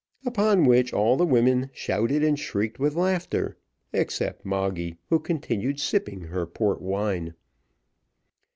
Upon which all the women shouted and shrieked with laughter, except Moggy, who continued sipping her port wine.